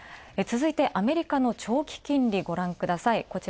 続いてアメリカの長期金利ごらんください